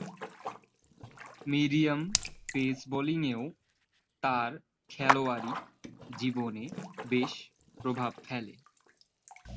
Medium pace বোলিংয়েও তার খেলোয়াড়ী জীবনে বেশ প্রভাব ফেলে।